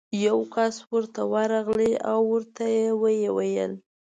یو کس ورته ورغی او ورته ویې ویل: